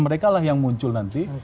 mereka lah yang muncul nanti